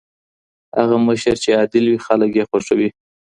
هغه مشر چي عادل وي خلګ یې خوښوي.